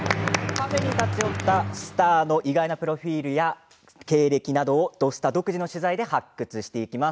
カフェに立ち寄ったスターの意外なプロフィールや経歴など「土スタ」独自の取材で発掘していきます。